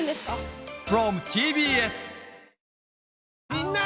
みんな！